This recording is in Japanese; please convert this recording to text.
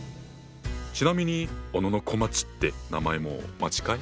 ちなみに小野こまっちって名前も間違い？